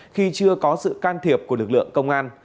khi chưa có sự can thiệp của lực lượng công an